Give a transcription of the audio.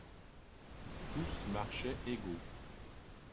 Tous marchaient égaux.